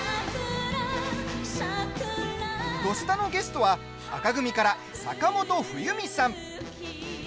「土スタ」のゲストは紅組から坂本冬美さん。